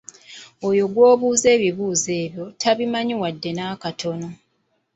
Oyo gw’obuuza ebibuuzo ebyo tabimanyi wadde n'akatono.